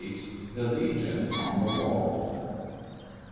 * *THE LEGION ON THE WALL.